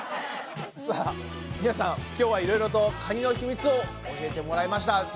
さあ皆さん今日はいろいろとカニの秘密を教えてもらいました。